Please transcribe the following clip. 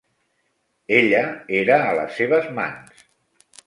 Ella era a les seves mans.